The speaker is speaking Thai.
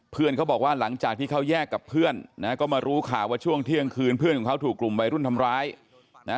เขาบอกว่าหลังจากที่เขาแยกกับเพื่อนนะก็มารู้ข่าวว่าช่วงเที่ยงคืนเพื่อนของเขาถูกกลุ่มวัยรุ่นทำร้ายนะ